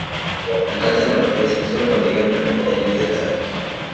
Alcanzan la madurez sexual cuando llegan a los dos años de edad.